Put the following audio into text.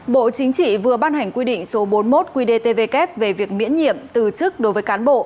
bộ chính trị vừa ban hành quy định số bốn mươi một qdtvk về việc miễn nhiệm từ chức đối với cán bộ